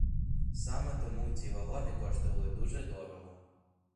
Саме тому ці вагони коштували дуже дорого.